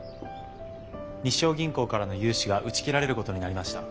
日章銀行からの融資が打ち切られることになりました。